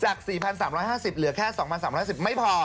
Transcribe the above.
จาก๔๓๕๐บาทเหลือแค่๒๓๕๐บาทไม่พอ